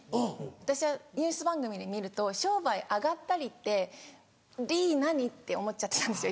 私はニュース番組で見ると「商売上がったり」って「り」何？って思っちゃってたんですよ